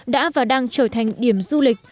đã và đang trở thành điểm du lịch